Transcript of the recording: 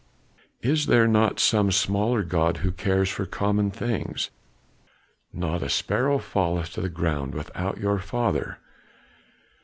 Is there not some smaller god who cares for common things? 'Not a sparrow falleth to the ground without your Father.